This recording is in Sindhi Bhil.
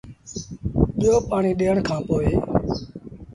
ٻيو پآڻيٚ ڏيٚڻ کآݩ پو